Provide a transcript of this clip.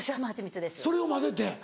それを混ぜて？